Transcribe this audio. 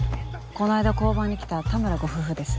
この間交番に来た田村ご夫婦です。